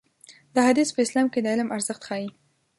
دا حديث په اسلام کې د علم ارزښت راښيي.